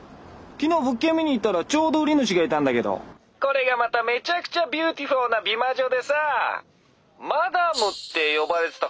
昨日物件見に行ったらちょうど売り主がいたんだけどこれがまためちゃくちゃビューティフォーな美魔女でさマダムって呼ばれてたかな？